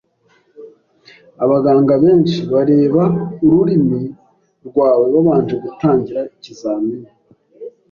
Abaganga benshi bareba ururimi rwawe babanje gutangira ikizamini.